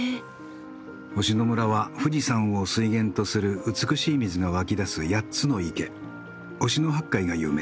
忍野村は富士山を水源とする美しい水が湧き出す８つの池忍野八海が有名。